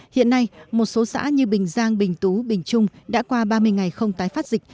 hiện nay một số xã như bình giang bình tú bình trung đã qua ba mươi ngày không tái phát dịch